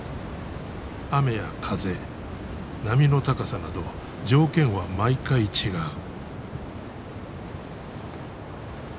雨や風波の高さなど条件は毎回違う。